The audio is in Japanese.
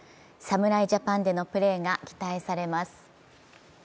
侍ジャパンでのプレーが期待されます。